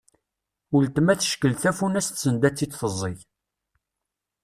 Ultma teckel tafunast send ad tt-id-teẓẓeg.